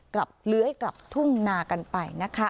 เลื้อยกลับทุ่งนากันไปนะคะ